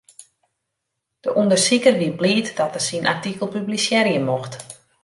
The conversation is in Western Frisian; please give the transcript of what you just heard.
De ûndersiker wie bliid dat er syn artikel publisearje mocht.